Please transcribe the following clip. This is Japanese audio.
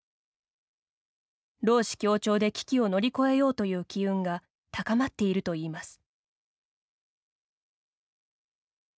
労使協調で危機を乗り越えようという機運が高まっているといいます。